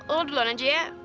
lo duluan aja ya